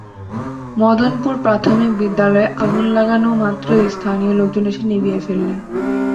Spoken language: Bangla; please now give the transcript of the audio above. মদনপুর প্রাথমিক বিদ্যালয়ে আগুন লাগানো মাত্রই স্থানীয় লোকজন এসে নিভিয়ে ফেলেন।